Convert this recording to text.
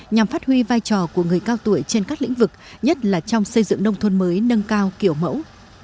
nhằm phát huy vai trò của người cao tuổi trên các lĩnh vực nhất là trong xây dựng nông thôn mới nâng cao kiểu mẫu